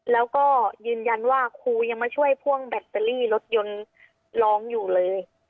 แล้วก็ยืนยันว่าครูยังมาช่วยพ่วงแบตเตอรี่รถยนต์ร้องอยู่เลย